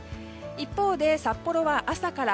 一方で札幌は朝から。